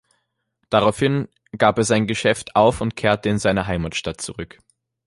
Daraufhin gab er sein Geschäft auf und kehrte in seine Heimatstadt zurück.